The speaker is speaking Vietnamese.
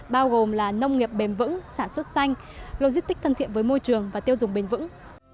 bao gồm là nông nghiệp bền vững sản xuất xanh logistic thân thiện với môi trường và tiêu dùng bền vững